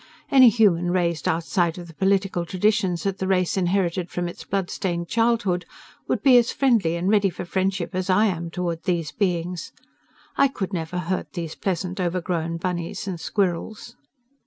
Any human raised outside of the political traditions that the race inherited from its bloodstained childhood would be as friendly and ready for friendship as I am toward these beings. I could never hurt these pleasant, overgrown bunnies and squirrels.